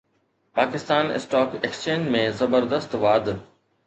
Pakistan stock exchange ۾ زبردست واڌ